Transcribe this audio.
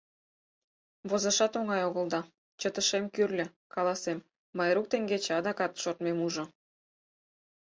Возашат оҥай огыл да, чытышем кӱрльӧ, каласем: Майрук теҥгече адакат шортмем ужо.